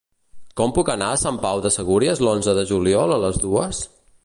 Com puc anar a Sant Pau de Segúries l'onze de juliol a les dues?